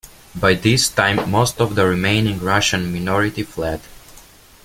By this time most of the remaining Russian minority fled.